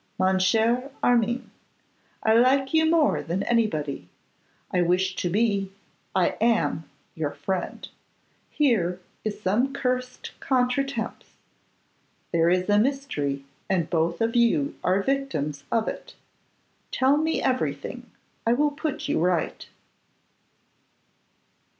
'Mon cher Armine, I like you more than anybody. I wish to be, I am, your friend. Here is some cursed contretemps. There is a mystery, and both of you are victims of it. Tell me everything. I will put you right.